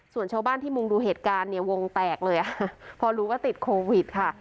ส่วนชาวบ้านที่มุงดูเหตุการณ์เนี่ยวงแตกเลยค่ะพอรู้ว่าติดโควิดค่ะ